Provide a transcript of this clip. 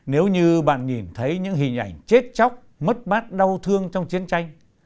nếu như bạn nhìn thấy những hình ảnh chết chóc mất mát đau thương trong chiến tranh